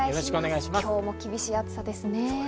今日今日も厳しい暑さですね。